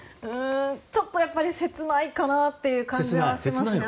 ちょっと切ないかなという感じはしますね。